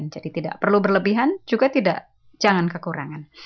jadi tidak perlu berlebihan juga tidak jangan kekurangan